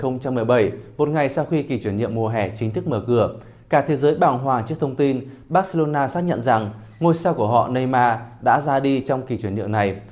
năm hai nghìn một mươi bảy một ngày sau khi kỳ chuyển nhượng mùa hè chính thức mở cửa cả thế giới bảo hòa trước thông tin barcelona xác nhận rằng ngôi sao của họ neyma đã ra đi trong kỳ chuyển nhượng này